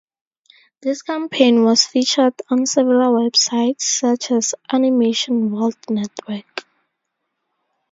This campaign was featured on several websites such as Animation World Network.